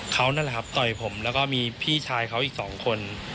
เขานั่นแหละครับต่อยผมแล้วก็มีพี่ชายเขาอีกสองคน